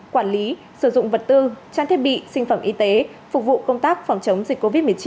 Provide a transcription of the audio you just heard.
quản lý sử dụng vật tư trang thiết bị sinh phẩm y tế phục vụ công tác phòng chống dịch covid một mươi chín